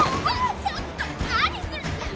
ちょっと何すんの！